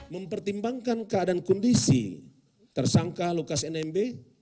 mempertimbangkan keadaan kondisi tersangka lukas nmb